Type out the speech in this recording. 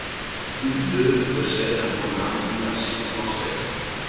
Toutes deux possèdent un programme d'immersion française.